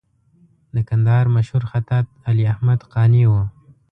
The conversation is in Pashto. د کندهار مشهور خطاط علي احمد قانع و.